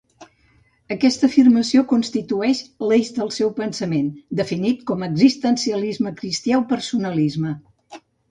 Aquesta afirmació constituïx l'eix del seu pensament, definit com a existencialisme cristià o personalisme.